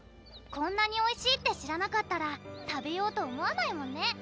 こんなにおいしいって知らなかったら食べようと思わないもんね